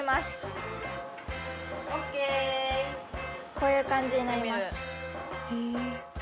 こういう感じになります。